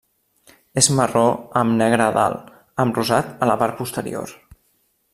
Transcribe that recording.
És marró amb negre a dalt, amb rosat en la part posterior.